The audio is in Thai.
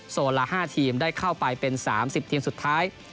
โซนละ๕ทีมได้เข้าไปเป็น๓๐ทีมสุดท้าย